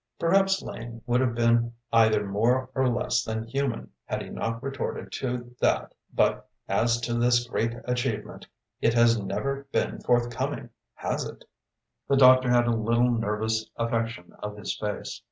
Perhaps Lane would have been either more or less than human, had he not retorted to that: "But as to this great achievement it has never been forthcoming, has it?" The doctor had a little nervous affection of his face.